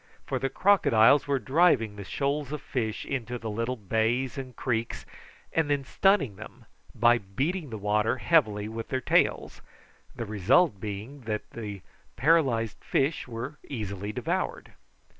For the crocodiles were driving the shoals of fish into the little bays and creeks, and then stunning them by beating the water heavily with their tails, the result being that the paralysed fish were easily devoured.